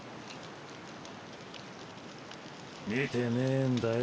見てねえんだよ。